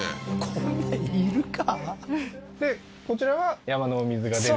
こんなにいるか？